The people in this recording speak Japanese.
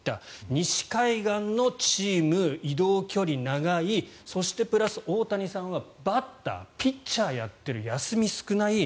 西海岸のチームは移動距離、長いそしてプラス、大谷さんはバッター、ピッチャーをやっている休み少ない。